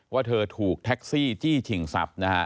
ว่าเธอถูกแท็กซี่จี้ฉิ่งสับ